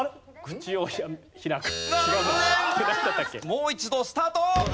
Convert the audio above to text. もう一度スタート！